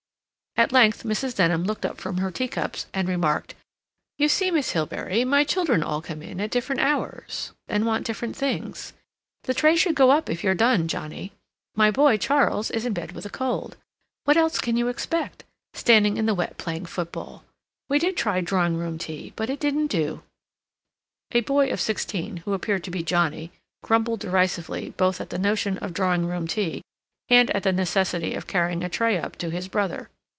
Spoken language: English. At length Mrs. Denham looked up from her teacups and remarked: "You see, Miss Hilbery, my children all come in at different hours and want different things. (The tray should go up if you've done, Johnnie.) My boy Charles is in bed with a cold. What else can you expect?—standing in the wet playing football. We did try drawing room tea, but it didn't do." A boy of sixteen, who appeared to be Johnnie, grumbled derisively both at the notion of drawing room tea and at the necessity of carrying a tray up to his brother.